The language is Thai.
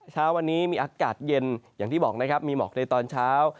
เช้าวันนี้มีอากาศเย็นอย่างที่บอกนะครับมีหมอกในตอนเช้า